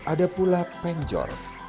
ada pula penjor